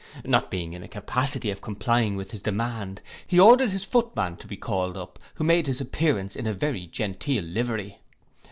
Not being in a capacity of complying with his demand, he ordered his footman to be called up, who made his appearance in a very genteel livery.